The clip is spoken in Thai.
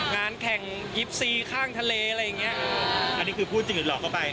งานแข่งยิปซีข้างทะเลอะไรอย่างเงี้ย